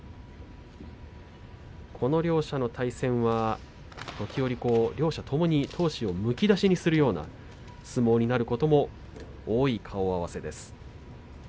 この両者の対戦は時折、両者ともに闘志をむき出しにするような相撲になることも多い顔合わせです。